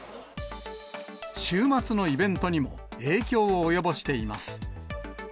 週末のイベントにも、影響を及ぼしています。